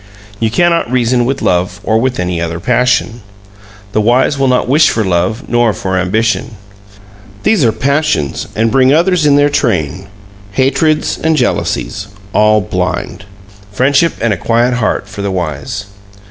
You cannot reason with love or with any other passion. The wise will not wish for love nor for ambition. These are passions and bring others in their train hatreds and jealousies all blind. Friendship and a quiet heart for the wise.